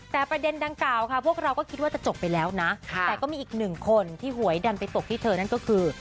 แต่ประเด็นดังกล่าวค่ะพวกเราก็คิดว่าจะจบไปแล้วนะแต่ก็มีอีกหนึ่งคนที่หวยดันไปตกที่เธอนั่นก็คือ